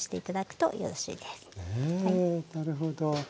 へなるほど。